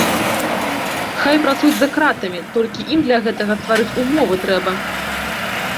Хай працуюць за кратамі, толькі ім для гэтага стварыць умовы трэба!